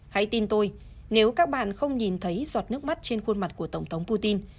hãy tin tôi nếu các bạn không nhìn thấy giọt nước mắt trên khuôn mặt của tổng thống putin